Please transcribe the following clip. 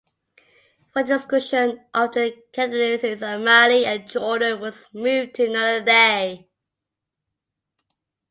Further discussion of the candidacies of Mali and Jordan was moved to another day.